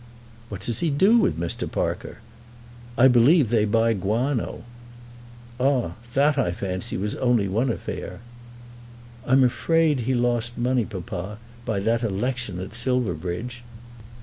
"What does he do with Mr. Parker?" "I believe they buy guano." "Ah; that, I fancy, was only one affair." "I'm afraid he lost money, papa, by that election at Silverbridge."